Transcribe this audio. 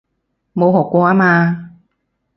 冇學過吖嘛